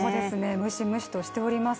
ムシムシとしております。